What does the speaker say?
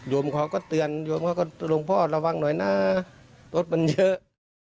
โยมข้อก็เตือนโรงพ่อระวังหน่อยนะรถมันเยอะ